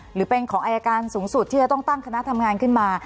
หรือเป็นของอายการสูงสุดที่จะต้องตั้งคณะทำงานขึ้นมา